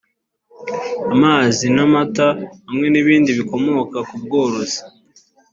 amazi n’amata hamwe n’ibindi bikomoka ku bworozi